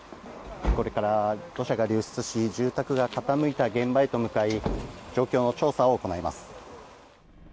これから、土砂が流出し住宅が傾いた現場へと向かい状況の調査を行います。